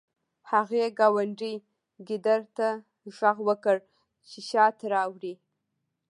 هغې ګاونډي ګیدړ ته غږ وکړ چې شات راوړي